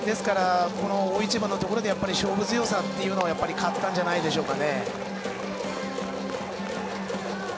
大一番のところで勝負強さを買ったんじゃないでしょうか。